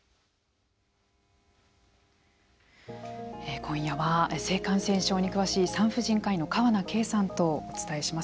今夜は性感染症に詳しい産婦人科医の川名敬さんとお伝えします。